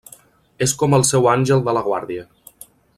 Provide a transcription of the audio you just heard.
És com el seu àngel de la guàrdia.